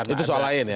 itu soal lain ya